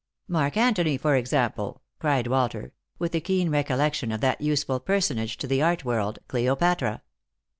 " Mark Antony, for example," cried Walter, with a keen re collection of that useful personage to the art world, Cleopatra."